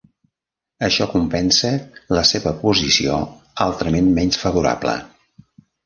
Això compensa la seva posició altrament menys favorable.